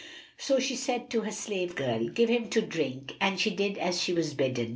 So she said to her slave girl, "Give him to drink;" and she did as she was bidden.